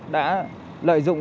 đã lợi dụng